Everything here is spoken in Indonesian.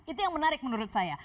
itu yang menarik menurut saya